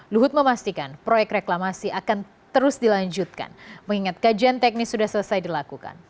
luhut memastikan proyek reklamasi akan terus dilanjutkan mengingat kajian teknis sudah selesai dilakukan